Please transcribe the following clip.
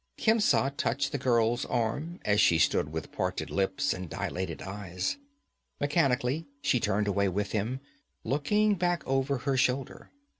Khemsa touched the girl's arm, as she stood with parted lips and dilated eyes. Mechanically she turned away with him, looking back over her shoulder.